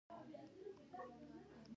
د عمده پلورنې سوداګري د سوداګرۍ یو ډول دی